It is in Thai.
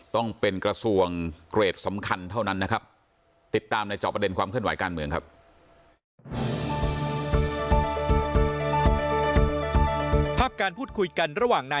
ต้องเป็นกระทรวงเกรดสำคัญเท่านั้นนะครับ